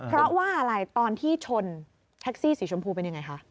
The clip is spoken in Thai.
เพราะว่าอะไรตอนที่ชนแท็กซี่สีชมพูเป็นยังไงคะ